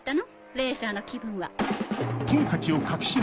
レーサーの気分は。